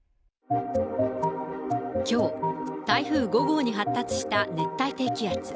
きょう、台風５号に発達した熱帯低気圧。